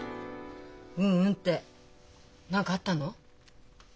「ううん」って何かあったの？